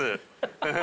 フフフ」